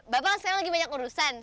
bapak saya lagi banyak urusan